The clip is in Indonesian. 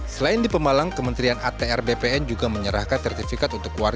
selain di pemalang kementerian atr bpn juga menyerahkan sertifikat untuk warga